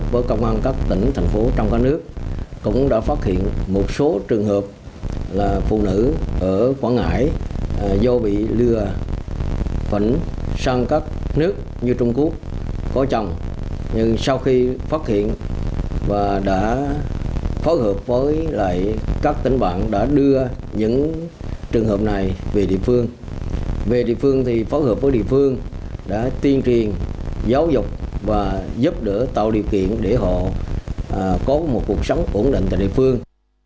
về địa phương thì phối hợp với địa phương đã tiên truyền giáo dục và giúp đỡ tạo điều kiện để họ có một cuộc sống ổn định tại địa phương